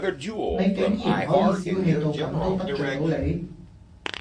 你竟然可以小器到咁都得罪到你